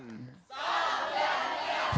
salam jalan jalan